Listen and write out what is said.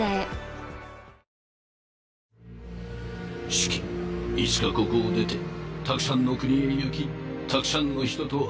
シキいつかここを出てたくさんの国へ行きたくさんの人と会え。